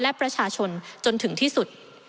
และประชาชนจนถึงที่สุด